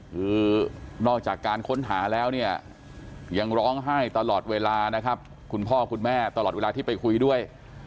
คือนอกจากการค้นหาแล้วเนี่ยยังร้องไห้ตลอดเวลานะครับคุณพ่อคุณแม่ตลอดเวลาที่ไปคุยด้วย